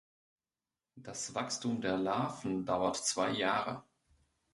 Das Wachstum der Larven dauert zwei Jahre.